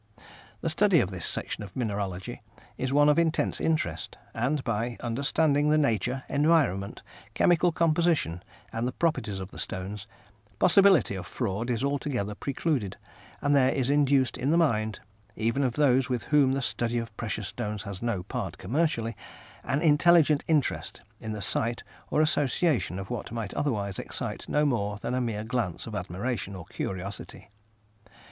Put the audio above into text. The study of this section of mineralogy is one of intense interest, and by understanding the nature, environment, chemical composition and the properties of the stones, possibility of fraud is altogether precluded, and there is induced in the mind even of those with whom the study of precious stones has no part commercially an intelligent interest in the sight or association of what might otherwise excite no more than a mere glance of admiration or curiosity.